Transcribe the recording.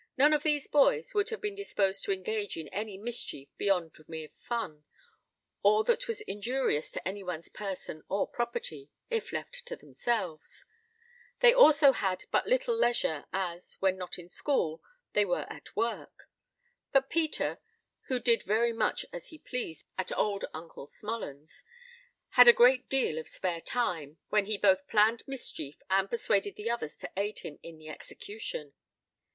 None of these boys would have been disposed to engage in any mischief beyond mere fun, or that was injurious to any one's person or property, if left to themselves; they also had but little leisure, as, when not at school, they were at work; but Peter, who did very much as he pleased at old Uncle Smullen's, had a great deal of spare time, when he both planned mischief and persuaded the others to aid him in the execution.